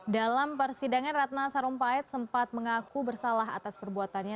dalam persidangan ratna sarumpait sempat mengaku bersalah atas perbuatannya